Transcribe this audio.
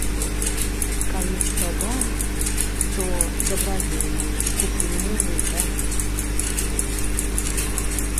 Калі ж прадаў, то, дабрадзей мой, купі мне жыта.